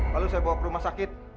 lalu saya bawa ke rumah sakit